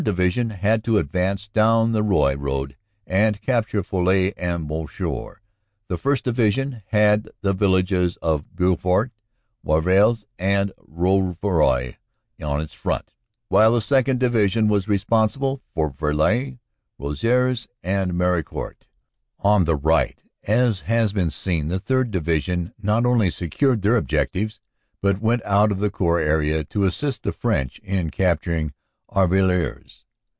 Division had to advance down the Roye road and capture Folies and Bouchoir. The 1st. Division had the villages of Beaufort, Warvillers and Rouvroy on its front, while the 2nd. Division was responsible for Vrely, Rosieres and Meharicourt. On the right, as has been seen, the 3rd. Division not only secured their objectives but went out of the Corps area to assist the French in capturing Arvillers.